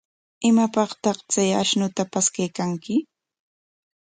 ¿Imapaqtaq chay ashnuta paskaykaayanki?